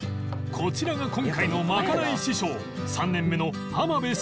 こちらが今回のまかない師匠